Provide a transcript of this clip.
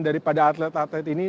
daripada atlet atlet ini